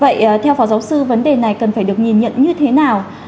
vậy theo phó giáo sư vấn đề này cần phải được nhìn nhận như thế nào